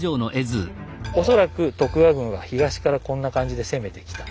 恐らく徳川軍は東からこんな感じで攻めてきた。